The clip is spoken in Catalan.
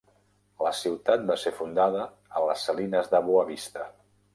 La ciutat va ser fundada a les salines de Boa Vista.